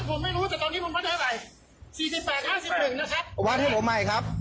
ผมไม่รู้แต่ตอนนี้ผมวัดให้ไหนสี่สิบแปดห้าสิบหนึ่งนะครับ